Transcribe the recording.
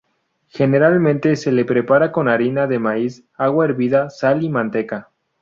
Generalmente, se la prepara con harina de maíz, agua hervida, sal y manteca.